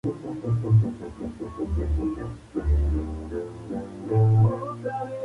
Hay tipos de violencia que pueden presentarse bajo ambas formas.